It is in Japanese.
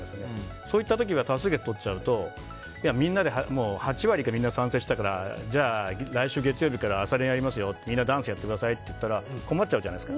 そういった時は多数決取っちゃうと８割が賛成したからじゃあ、来週月曜日から朝練やりますよみんなダンスやってくださいって言ったら困っちゃうじゃないですか。